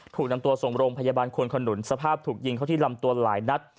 ถูกนำตัวส่งโรงพยาบาลควนขนุนสภาพถูกยิงเข้าที่ลำตัวหลายนัด